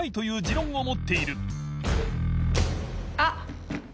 あっ！